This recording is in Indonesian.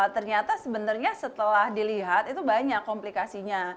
ternyata sebenarnya setelah dilihat itu banyak komplikasinya